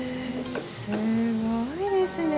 すごいですね。